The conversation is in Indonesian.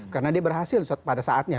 karena dia berhasil pada saatnya